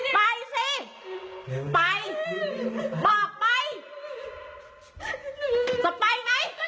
ไปจะไปไหม